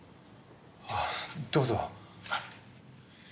どうぞ。